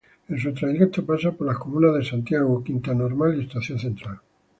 En su trayecto pasa por las comunas de Santiago, Quinta Normal y Estación Central.